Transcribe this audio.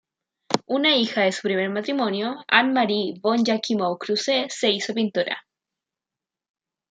Una hija de su primer matrimonio, Annemarie von Jakimow-Kruse, se hizo pintora.